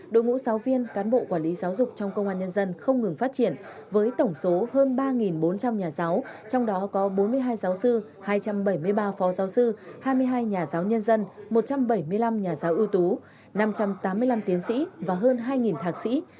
đội ngũ giáo viên cán bộ quản lý giáo dục trong công an nhân dân không ngừng phát triển với tổng số hơn ba bốn trăm linh nhà giáo trong đó có bốn mươi hai giáo sư hai trăm bảy mươi ba phó giáo sư hai mươi hai nhà giáo nhân dân một trăm bảy mươi năm nhà giáo ưu tú năm trăm tám mươi năm tiến sĩ và hơn hai thạc sĩ